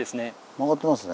曲がってますね。